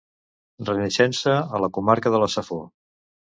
Renaixença a la Comarca de la Safor.